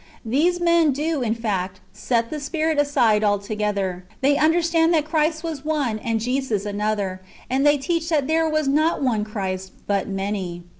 These^ men do, in fact, set the Spirit aside altogether ; they understand that Christ was one and Jesus another ; and they teach that there was not one Christ, but many.